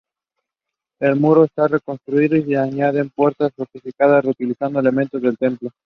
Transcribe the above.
El muro es reconstruido y se añaden puertas fortificadas reutilizando elementos del templo.